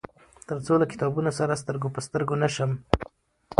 تر څو له کتابونه سره سترګو په سترګو نشم.